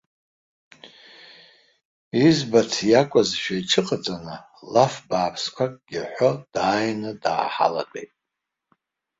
Избац иакәызшәа иҽыҟаҵаны, лаф бааԥсқәакгьы ҳәо дааины дааҳалатәеит.